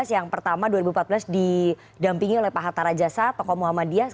yang pertama dua ribu empat belas didampingi oleh pak hatta rajasa tokoh muhammadiyah